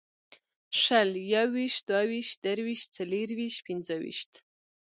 شل یوویشت دوهویشت درویشت څلېرویشت پنځهویشت